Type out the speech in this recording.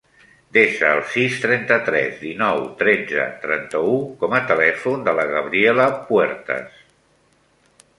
Desa el sis, trenta-tres, dinou, tretze, trenta-u com a telèfon de la Gabriela Puertas.